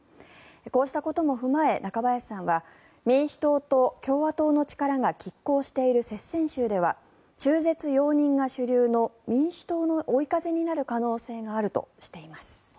こうしたことも踏まえ中林さんは民主党と共和党の力がきっ抗している接戦州では中絶容認が主流の民主党の追い風になる可能性があるとしています。